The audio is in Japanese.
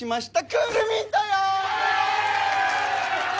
クールミントよ！